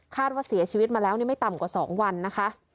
ว่าเสียชีวิตมาแล้วไม่ต่ำกว่า๒วันนะคะ